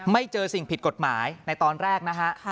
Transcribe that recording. ไม่เจอสิ่งผิดกฎหมายในตอนแรกนะฮะ